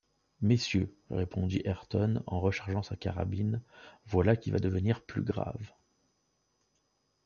Messieurs, répondit Ayrton en rechargeant sa carabine, voilà qui va devenir plus grave.